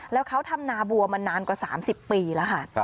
แล้วเขาทำนาบัวมานานกว่า๓๐ปีแล้วค่ะ